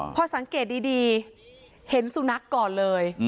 พอสังเกตดีเห็นสุนัขก่อนเลย